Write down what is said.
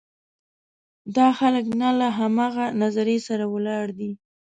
دا خلک نه له همغه نظریې سره ولاړ دي.